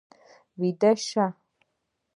ويده شه.